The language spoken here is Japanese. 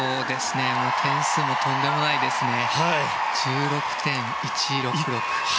点数もとんでもないですね。１６．１６６。